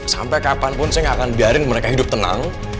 sampai kapanpun saya nggak akan biarin mereka hidup tenang